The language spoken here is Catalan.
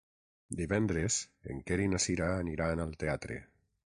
Divendres en Quer i na Cira aniran al teatre.